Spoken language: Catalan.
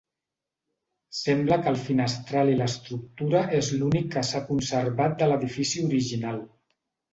Sembla que el finestral i l'estructura és l'únic que s'ha conservat de l'edifici original.